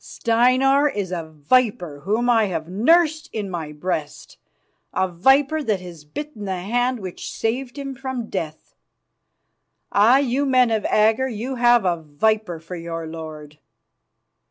"Steinar is a viper whom I have nursed in my breast, a viper that has bitten the hand which saved him from death; aye, you men of Agger, you have a viper for your lord.